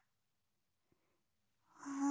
うん？